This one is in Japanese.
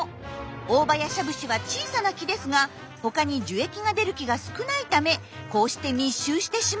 オオバヤシャブシは小さな木ですが他に樹液が出る木が少ないためこうして密集してしまうようなんです。